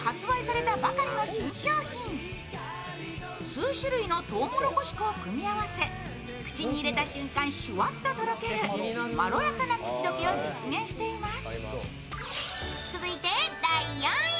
数種類のとうもろこし粉を組み合わせ口に入れた瞬間、シュワッととろけるまろやかな口溶けを実現しています。